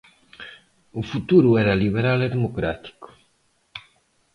O futuro era liberal e democrático.